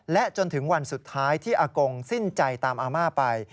และจนถึงวันสุดท้ายที่อากงสิ้นใจตามอาม่าไป